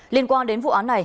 liên quan đến vụ án này